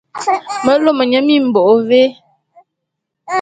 Me lôme nye mimbôk vé?